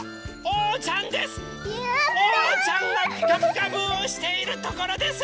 おうちゃんが「ピカピカブ！」をしているところです。